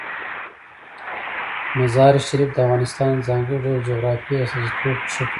مزارشریف د افغانستان د ځانګړي ډول جغرافیې استازیتوب په ښه توګه کوي.